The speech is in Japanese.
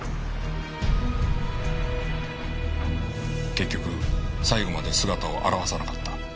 結局最後まで姿を現さなかった。